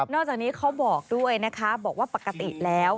จากนี้เขาบอกด้วยนะคะบอกว่าปกติแล้ว